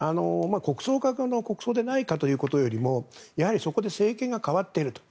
国葬か国葬でないかということよりもやはりそこで政権が代わっていると。